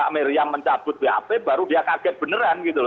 miriam mencabut bap baru dia kaget beneran gitu loh